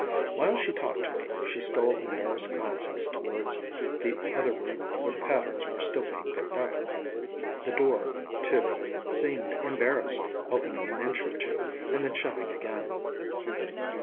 While she talked to me, she stole embarrassed glances towards the other room where the patterns were still being picked up. The door, too, seemed embarrassed, opening an inch or two and then shutting again.